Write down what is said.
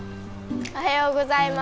おはようございます。